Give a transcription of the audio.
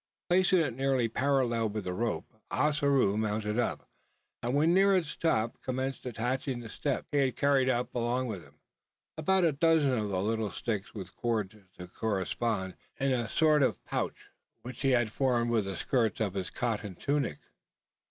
Placing it nearly parallel with the rope, Ossaroo mounted up; and, when near its top, commenced attaching the steps. He had carried up along with him about a dozen of the little sticks, with cords to correspond in a sort of pouch, which he had formed with the skirts of his cotton tunic.